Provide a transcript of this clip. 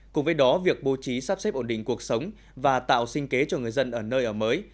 cùng với đó việc bố trí sắp xếp ổn định cuộc sống và tạo sinh kế cho người dân ở nơi ở mới